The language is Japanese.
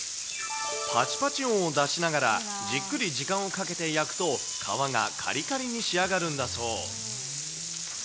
ぱちぱち音を出しながら、じっくり時間をかけて焼くと、皮がかりかりに仕上がるんだそう。